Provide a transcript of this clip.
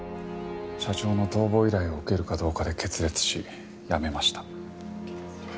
社長の逃亡依頼を受けるかどうかで決裂し辞めました。